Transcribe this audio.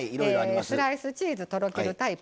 スライスチーズとろけるタイプ